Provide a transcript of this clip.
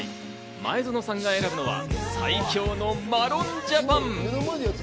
前園さんが選ぶのは最強のマロンＪＡＰＡＮ。